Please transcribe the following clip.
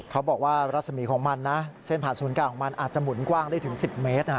เขาบอกว่ารัศมีของมันนะเส้นผ่านศูนย์กลางของมันอาจจะหมุนกว้างได้ถึง๑๐เมตร